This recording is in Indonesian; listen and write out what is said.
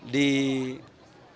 di kepala bkpm